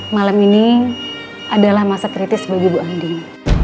malam ini adalah masa kritis bagi bu anding